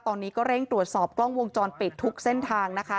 ตอนนี้ก็เร่งตรวจสอบกล้องวงจรปิดทุกเส้นทางนะคะ